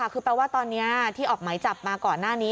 คือแปลว่าตอนนี้ที่ออกหมายจับมาก่อนหน้านี้